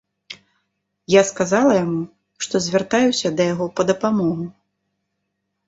Я сказала яму, што звяртаюся да яго па дапамогу.